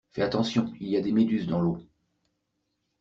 Fais attention, il y a des méduses dans l'eau!